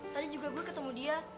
tadi juga gue ketemu dia